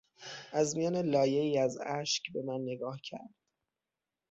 از میان لایهای از اشک به من نگاه کرد.